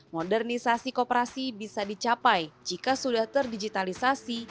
modernisasi kooperasi bisa dicapai jika sudah terdigitalisasi